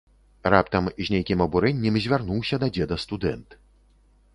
Раптам з нейкім абурэннем звярнуўся да дзеда студэнт.